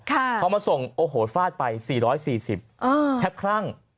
พอมาส่งโอ้โหฟาดไป๔๔๐แทบครั่ง